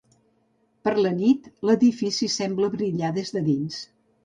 Per la nit, l'edifici sembla brillar des de dins.